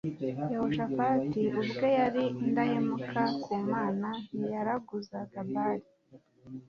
Yehoshafati ubwe yari indahemuka ku Mana Ntiyaraguzaga Bali